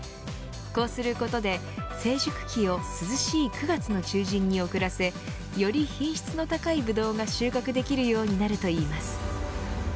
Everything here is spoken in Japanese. こうすることで成熟期を涼しい９月の中旬に遅らせより品質の高いブドウが収穫できるようになるといいます。